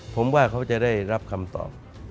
ผมว่าเขาจะได้รับคำตอบ